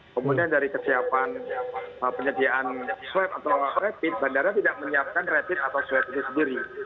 kemudian dari kesiapan penyediaan swab atau rapid bandara tidak menyiapkan rapid atau swab itu sendiri